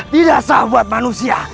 tidak sah buat manusia